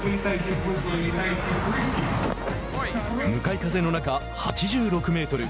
向かい風の中８６メートル。